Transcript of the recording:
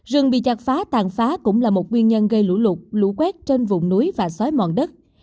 rừng bị chặt phá tàn phá cũng là một nguyên nhân gây lũ lụt lũ quét trên vùng núi và xói mòn đất